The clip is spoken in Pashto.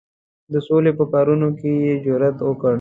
د سولي په کارونو کې یې جرأت وکړ.